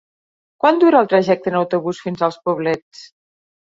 Quant dura el trajecte en autobús fins als Poblets?